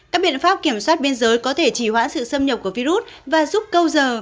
các biện pháp kiểm soát biên giới có thể chỉ hoãn sự xâm nhập của virus và giúp câu giờ